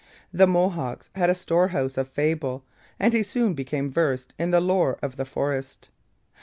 The Mohawks had a storehouse of fable, and he soon became versed in the lore of the forest.